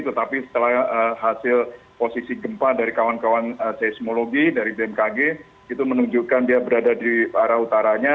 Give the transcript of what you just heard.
tetapi setelah hasil posisi gempa dari kawan kawan seismologi dari bmkg itu menunjukkan dia berada di arah utaranya